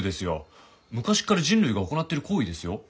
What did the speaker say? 昔から人類が行っている行為ですよ。